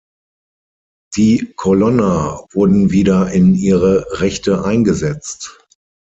Die Colonna wurden wieder in ihre Rechte eingesetzt.